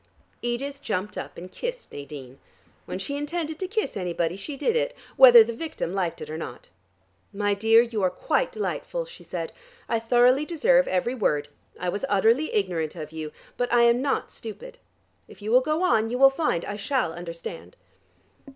Edith jumped up and kissed Nadine. When she intended to kiss anybody she did it, whether the victim liked it or not. "My dear, you are quite delightful," she said. "I thoroughly deserve every word. I was utterly ignorant of you. But I am not stupid: if you will go on, you will find I shall understand."